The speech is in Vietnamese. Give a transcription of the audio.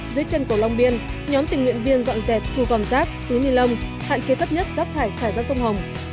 dưới chân cổ lông biên nhóm tình nguyện viên dọn dẹp thu gòm rác túi nilon hạn chế cấp nhất rác thải xảy ra sông hồng